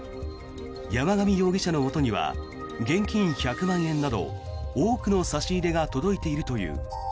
山上容疑者のもとには現金１００万円など多くの差し入れが届いているという。